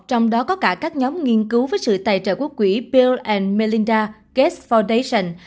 trong đó có cả các nhóm nghiên cứu với sự tài trợ quốc quỹ bill melinda gates foundation